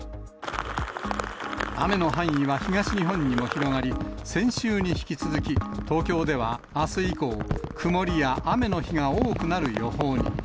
雨の範囲は東日本にも広がり、先週に引き続き、東京ではあす以降、曇りや雨の日が多くなる予報に。